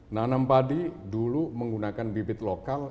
nanam padi dulu menggunakan bibit lokal